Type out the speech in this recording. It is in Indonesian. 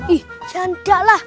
ih jandak lah